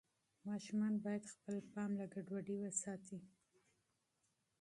ماشومان باید خپل پام له ګډوډۍ وساتي.